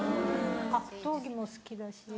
格闘技も好きだし。